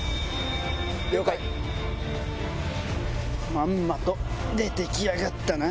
まんまと出てきやがったな。